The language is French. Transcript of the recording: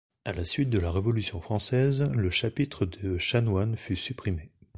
À la suite de la Révolution française, le chapitre de chanoines fut supprimé.